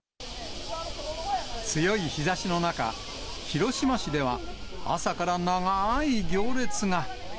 強い日ざしの中、広島市では朝から長い行列が。